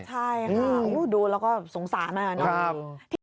ใช่ค่ะดูแล้วก็สงสารมากนะน้องดี